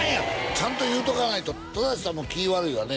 ちゃんと言うとかないと忠さんも気悪いわね